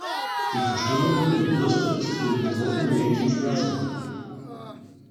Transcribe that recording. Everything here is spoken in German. Die Verstümmelung der Brüste ist für die betroffenen Mädchen schmerzhaft.